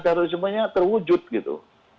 teroris semuanya terwujud gitu